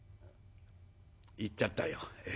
行っちゃったよ。